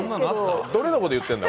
どれのこと言ってるんだ？